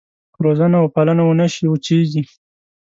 که روزنه وپالنه ونه شي وچېږي.